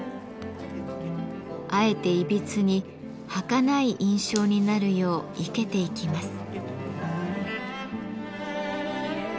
あえていびつにはかない印象になるよう生けていきます。